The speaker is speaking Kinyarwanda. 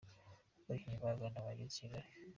Abakinnyi ba Ghana bageze i Kigali.